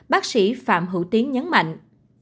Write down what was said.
bác sĩ phạm hữu tiến nhấn mạnh